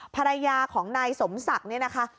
ภรรยาของนายสมศักดิ์เนี่ยนะคะ